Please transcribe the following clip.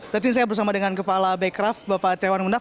tapi saya bersama dengan kepala bekraf bapak trewan mundaf